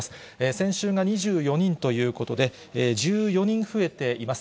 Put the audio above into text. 先週が２４人ということで、１４人増えています。